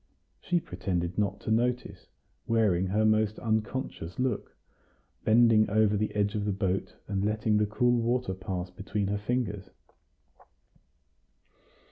She pretended not to notice, wearing her most unconscious look, bending over the edge of the boat, and letting the cool water pass between her fingers.